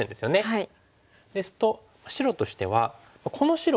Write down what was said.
はい。